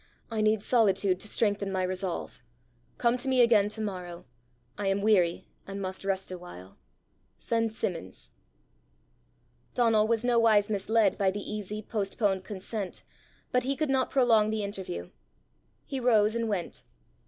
I need solitude to strengthen my resolve. Come to me again to morrow. I am weary, and must rest awhile. Send Simmons." Donal was nowise misled by the easy, postponed consent, but he could not prolong the interview. He rose and went.